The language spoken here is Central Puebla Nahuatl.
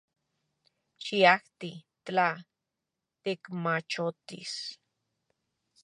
Xiajti — tla tikmachotis.